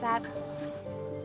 makasih ya sat